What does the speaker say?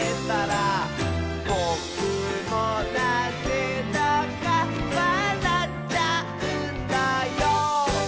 「ぼくもなぜだかわらっちゃうんだよ」